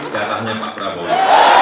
jatahnya pak prabowo